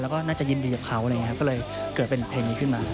แล้วก็น่าจะยินดีกับเขาก็เลยเกิดเป็นเพลงนี้ขึ้นมา